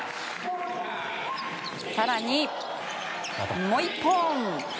更に、もう１本。